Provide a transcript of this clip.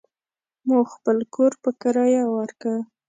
مو خپل کور په کريه وارکه.